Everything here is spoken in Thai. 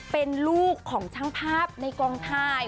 เป็นลูกของช่างภาพในกองถ่าย